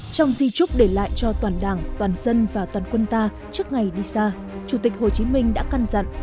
trong di trúc để lại cho toàn đảng toàn dân và toàn quân ta trước ngày đi xa chủ tịch hồ chí minh đã căn dặn